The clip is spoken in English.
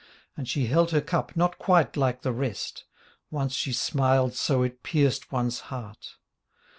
And she held her cup not quite like the rest; Once she smiled so it pierced one's heart.